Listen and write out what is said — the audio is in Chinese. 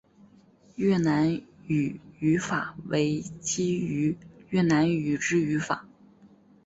越南语语法为基于越南语之语法。